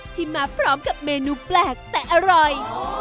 ที่มาพร้อมกับเมนูแปลกแต่อร่อย